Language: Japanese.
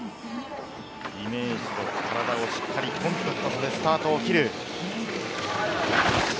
イメージと、体をしっかりコントロールしてスタートを切る。